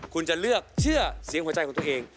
คุณจะเลือกเชื่อเสียงหัวใจของตัวเอง